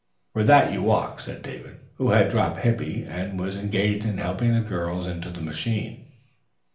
"For that you walk," said David, who had dropped Hippy and was engaged in helping the girls into the machine.